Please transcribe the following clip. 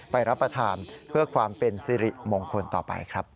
รับประทานเพื่อความเป็นสิริมงคลต่อไปครับ